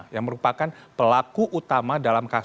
yang merupakan pelaku utama dalam kasus